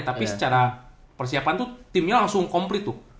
tapi secara persiapan tuh timnya langsung komplit tuh